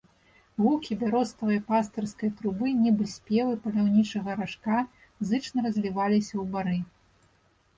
Гукі бяроставай пастырскай трубы, нібы спевы паляўнічага ражка, зычна разліваліся ў бары.